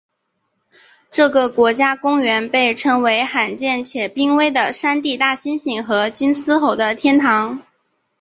这个国家公园被称为罕见且濒危的山地大猩猩和金丝猴的天堂。